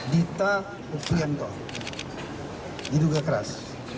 dita uplianto diduga keras